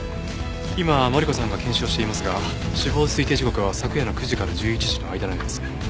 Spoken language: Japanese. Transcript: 今マリコさんが検視をしていますが死亡推定時刻は昨夜の９時から１１時の間のようです。